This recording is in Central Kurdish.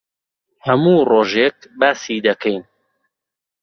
هەموو ڕۆژێک باسی دەکەین.